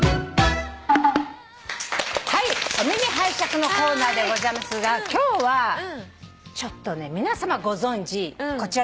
「お耳拝借」のコーナーでございますが今日はちょっとね皆さまご存じこちらですね。